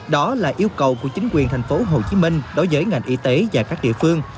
đó là yêu cầu của chính quyền thành phố hồ chí minh đối với ngành y tế và các địa phương